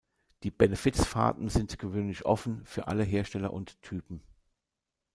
Die Benefiz-Fahrten sind gewöhnlich offen für alle Hersteller und Typen.